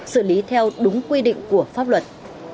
xử lý theo đúng quy định của pháp luật